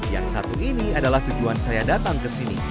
yang satu ini adalah tujuan saya datang kesini